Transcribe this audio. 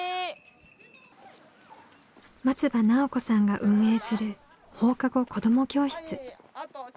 松場奈緒子さんが運営する放課後子ども教室。